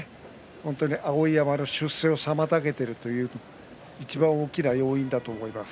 本当に碧山の出世を妨げているいちばん大きな要因だと思います。